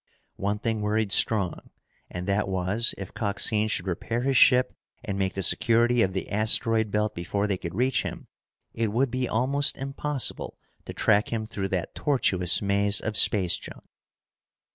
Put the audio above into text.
One thing worried Strong, and that was if Coxine should repair his ship and make the security of the asteroid belt before they could reach him, it would be almost impossible to track him through that tortuous maze of space junk.